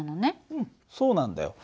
うんそうなんだよ。